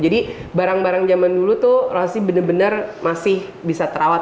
jadi barang barang zaman dulu tuh masih benar benar masih bisa terawat